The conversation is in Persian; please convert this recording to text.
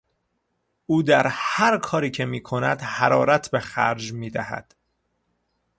او در هر کاری که میکند حرارت به خرج میدهد.